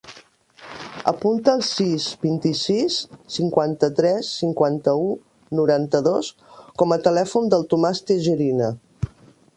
Apunta el sis, vint-i-sis, cinquanta-tres, cinquanta-u, noranta-dos com a telèfon del Tomàs Tejerina.